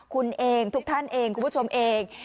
คุณเองทุกท่านเองคุณผู้ชมเอง